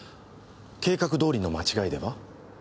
計画どおりの間違いでは？